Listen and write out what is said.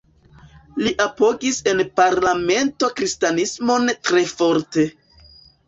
Li apogis en parlamento kristanismon tre forte.